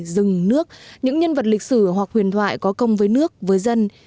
rừng nước những nhân vật lịch sử hoặc huyền thoại có công với nước với dân